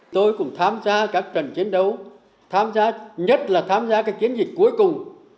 tôi cũng tham gia các trận chiến đấu nhất là tham gia các chiến dịch cuối cùng